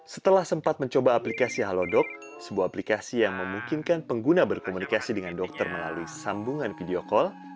setelah sempat mencoba aplikasi halodoc sebuah aplikasi yang memungkinkan pengguna berkomunikasi dengan dokter melalui sambungan video call